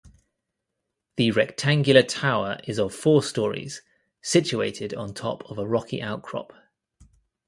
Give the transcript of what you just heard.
The rectangular tower is of four storeys, situated on top of a rocky outcrop.